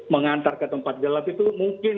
mengantar ke tempat gelap itu mungkin